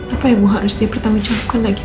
apa yang mau harus dipertanggungjawabkan lagi